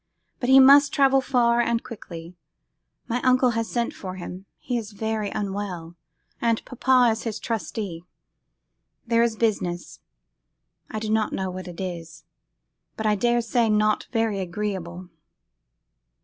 But he must travel far and quickly. My uncle has sent for him; he is very unwell, and papa is his trustee. There is business; I do not know what it is, but I dare say not very agreeable.